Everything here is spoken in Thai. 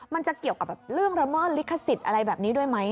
มันจะเกี่ยวกับเรื่องระเมิดลิขสิทธิ์อะไรแบบนี้ด้วยไหม